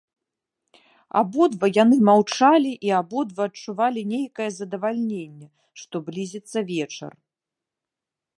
Абодва яны маўчалі і абодва адчувалі нейкае задаваленне, што блізіцца вечар.